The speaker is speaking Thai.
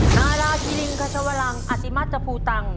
นาราชิริงคชาวลังอติมัชภูตัง